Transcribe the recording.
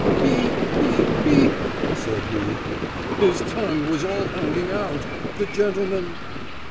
"He he he," said he. "His tongue was all hanging out.... The gentleman...."